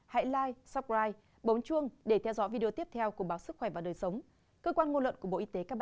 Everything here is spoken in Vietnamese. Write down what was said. hãy like subscribe bấm chuông để theo dõi video tiếp theo của báo sức khỏe và đời sống cơ quan ngôn luận của bộ y tế các bạn nhé